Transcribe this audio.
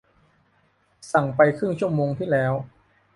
สั่งไปครึ่งชั่วโมงที่แล้ว